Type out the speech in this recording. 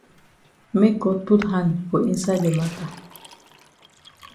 Make God put hand for inside the mata.